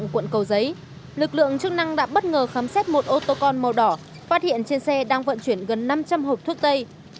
quận cầu giấy lực lượng chức năng đã bất ngờ khám xét một ô tô con màu đỏ phát hiện trên xe đang vận chuyển gần năm trăm linh hộp thuốc tây